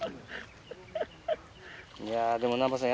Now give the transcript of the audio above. いやでも難波さん